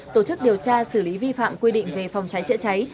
tổ chức điều tra xử lý vi phạm quy định về phòng cháy chữa cháy